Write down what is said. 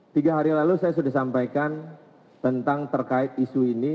tiga hari lalu saya sudah sampaikan tentang terkait isu ini